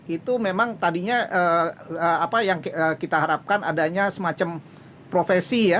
itu memang tadinya apa yang kita harapkan adanya semacam profesi ya